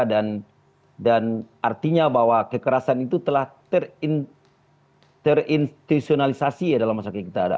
dan artinya bahwa kekerasan itu telah terinstitutionalisasi dalam masyarakat kita